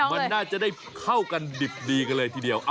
มันน่าจะได้เข้ากันดิบดีกันเลยทีเดียว